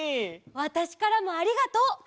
わたしからもありがとう。